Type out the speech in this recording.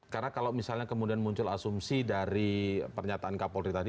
karena kalau misalnya kemudian muncul asumsi dari pernyataan kak polri tadi